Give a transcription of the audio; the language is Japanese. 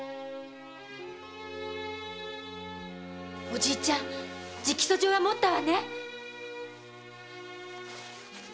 おじいちゃん直訴状持った？